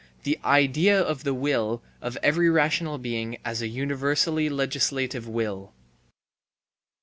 the idea of the will of every rational being as a universally legislative will.